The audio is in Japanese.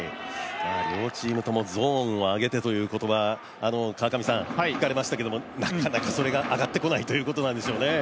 両チームともゾーンを上げてという言葉聞かれましたけどもなかなかそれが上がってこないっていうことなんでしょうね。